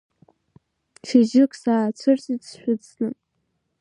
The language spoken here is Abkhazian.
Шьыжьык саацәырҵит сшәыцны…